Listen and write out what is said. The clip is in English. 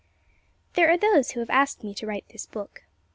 There are those who have asked me to write this book.